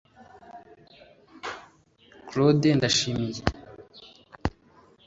Claude Ndayishimiye